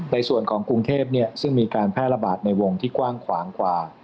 ในส่วนของกรุงเทพซึ่งมีการแพร่ระบาดในวงที่กว้างขวางกว่า